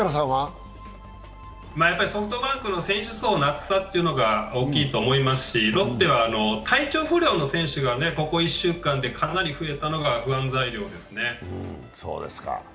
ソフトバンクの選手層の厚さというのが大きいと思いますしロッテは体調不良の選手がここ１週間でかなり増えたのが不安材料ですね。